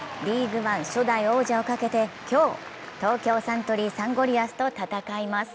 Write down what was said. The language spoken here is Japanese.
ＬＥＡＧＵＥＯＮＥ初代王者をかけて、今日東京サントリーサンゴリアスと戦います。